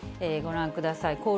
ご覧ください。